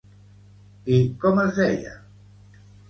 I com es deia?